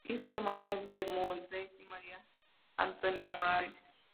Hijo de Manuel Bermúdez y María Antonia Morales.